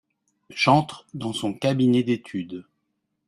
J’entre dans son cabinet d’étude…